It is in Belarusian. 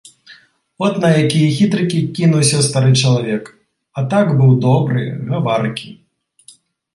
От на якія хітрыкі кінуўся стары чалавек, а так быў добры, гаваркі.